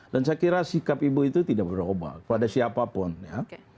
dan saya kira sikap ibu itu tidak berubah kepada siapapun ya